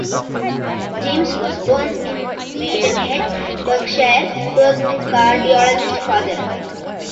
James was born in Maidenhead, Berkshire, to a cardiologist father.